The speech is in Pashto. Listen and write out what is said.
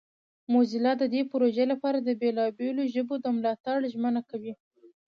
موزیلا د دې پروژې لپاره د بیلابیلو ژبو د ملاتړ ژمنه کوي.